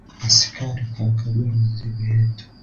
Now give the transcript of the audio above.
Asikari kankagua mizigo yetu